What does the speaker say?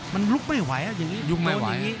มันลุกไม่ไหวอะอย่างนี้ลุกไม่ไหว